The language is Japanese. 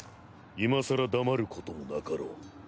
いまさら黙ることもなかろう。